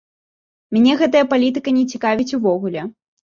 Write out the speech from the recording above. Мяне гэтая палітыка не цікавіць увогуле!